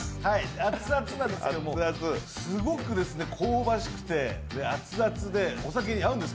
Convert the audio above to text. あっつあつなんですけど、すごく香ばしくて熱々でお酒に合うんです。